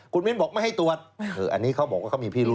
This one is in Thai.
คุณมิ้นบอกไม่ให้ตรวจอันนี้เขาบอกว่าเขามีพิรุ